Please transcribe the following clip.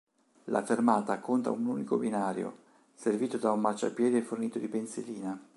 La fermata conta un unico binario, servito da un marciapiede fornito di pensilina.